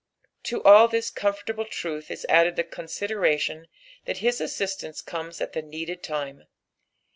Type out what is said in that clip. To all this comfortable truth is added the consideiation that his asBistance comes at the needed time.